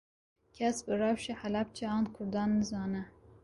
Kes bi rewşa Helepçe an Kurdan nizane